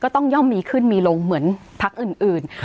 ต้องย่อมมีขึ้นมีลงเหมือนพักอื่น